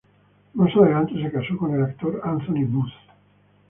Más adelante se casó con el actor Anthony Booth.